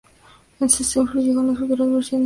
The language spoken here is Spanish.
Esto se incluyó en futuras versiones de "Puyo Puyo".